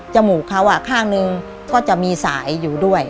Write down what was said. มูกเขาข้างนึงก็จะมีสายอยู่ด้วย